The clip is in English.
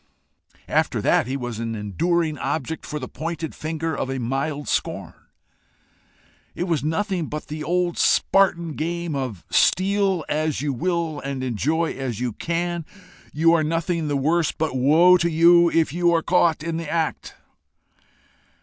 After that he was an enduring object for the pointed finger of a mild scorn. It was nothing but the old Spartan game of steal as you will and enjoy as you can: you are nothing the worse; but woe to you if you are caught in the act!